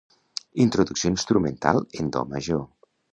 Introducció instrumental en do major.